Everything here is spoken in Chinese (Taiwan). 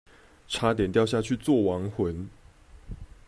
差點掉下去做亡魂